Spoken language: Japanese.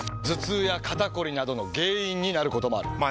頭痛や肩こりなどの原因になることもある。